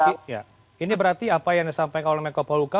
baik pak sugang ini berarti apa yang disampaikan oleh mekopo luka